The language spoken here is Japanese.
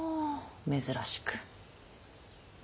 珍しく。